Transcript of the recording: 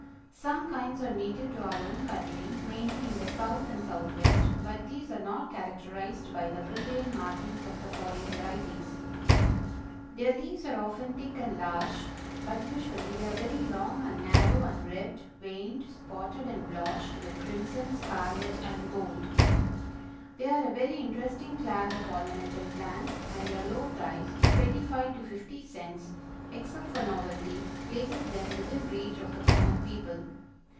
Some kinds are native to our own country, mainly in the South and Southwest, but these are not characterized by the brilliant markings of the foreign varieties. Their leaves are often thick and large, but usually they are very long and narrow and ribbed, veined, spotted and blotched with crimson, scarlet and gold. They are a very interesting class of ornamental plants, and their low price, twenty five to fifty cents, except for novelties, places them within reach of the common people.